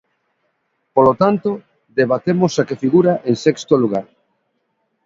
Polo tanto, debatemos a que figura en sexto lugar.